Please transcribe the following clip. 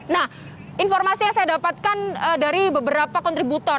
nah informasi yang saya dapatkan dari beberapa kontributor